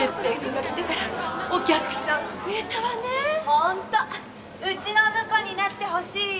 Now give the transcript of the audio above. ホントうちの婿になってほしいわ。